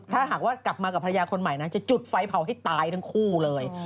ถ้าหากว่ากลับมากับภรรยาคนใหม่นะจะจุดไฟเผาให้ตายทั้งคู่เลย